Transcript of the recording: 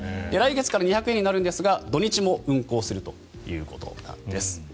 来月から２００円になるんですが土日も運行するということです。